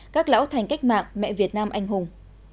các lão thành cách mạng mẹ việt nam anh hùng